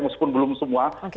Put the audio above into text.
meskipun belum semua